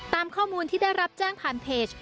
ตามข้อมูลที่ได้รับแจ้งผ่านเพจ